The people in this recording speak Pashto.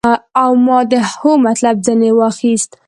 او ما د هو مطلب ځنې واخيست.